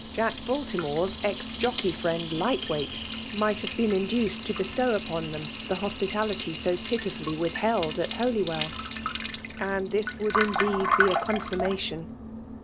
Jack Baltimore's ex jocb^* frwttd Lightweight might have bem 'in^ dneed to bestow upon them the hospilaKty so:phifiilly withheld at Holywell. And this' %voald, indeed, be a consummation